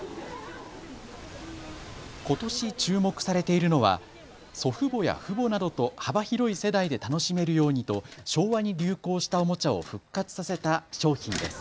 ことし注目されているのは祖父母や父母などと幅広い世代で楽しめるようにと昭和に流行したおもちゃを復活させた商品です。